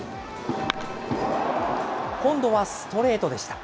今度はストレートでした。